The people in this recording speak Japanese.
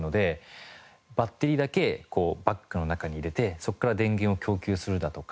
バッテリーだけバッグの中に入れてそこから電源を供給するだとか。